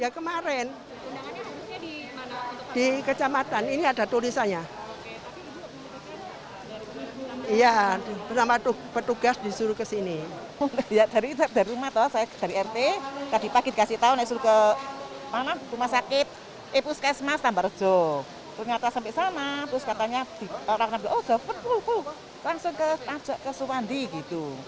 ketika sampai sama terus katanya orang orang bilang oh sudah penuh langsung ajak ke suwandi